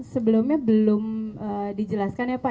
sebelumnya belum dijelaskan ya pak